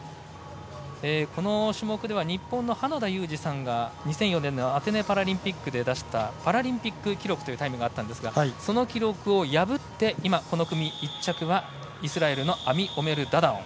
この種目では日本のはなだゆうじさんが２００４年のアテネパラリンピックで出したパラリンピック記録というタイムがあったんですがその記録を破って今、この組１着はアミオメル・ダダオン。